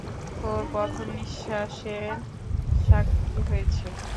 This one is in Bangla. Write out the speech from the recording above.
তোর প্রথম নিশ্বাসের সাক্ষী হয়েছি।